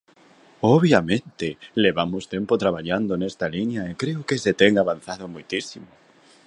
Obviamente, levamos tempo traballando nesta liña e creo que se ten avanzado moitísimo.